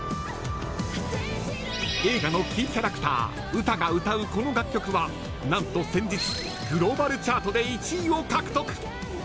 映画のキーキャラクターウタが歌うこの楽曲はなんと先日グローバルチャートで１位を獲得。